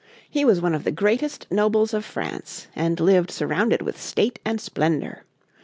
He was one of the greatest nobles of France and lived surrounded with state and splendour.